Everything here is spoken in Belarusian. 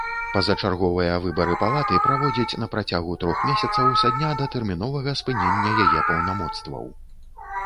Пазачарговыя выбары палаты праводзяць на працягу трох месяцаў са дня датэрміновага спынення яе паўнамоцтваў.